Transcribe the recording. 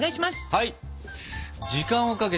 はい！